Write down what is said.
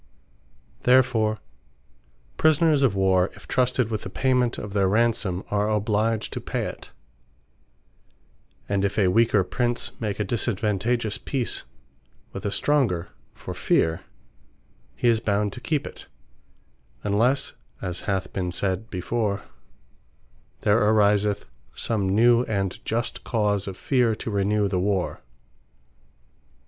Therefore Prisoners of warre, if trusted with the payment of their Ransome, are obliged to pay it; And if a weaker Prince, make a disadvantageous peace with a stronger, for feare; he is bound to keep it; unlesse (as hath been sayd before) there ariseth some new, and just cause of feare, to renew the war.